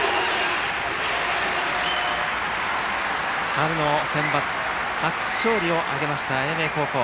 春のセンバツ初勝利を挙げました英明高校。